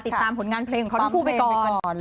ติดตามผลงานเพลงของเขาทั้งคู่ไปก่อน